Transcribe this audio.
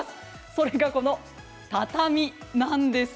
それが、この畳です。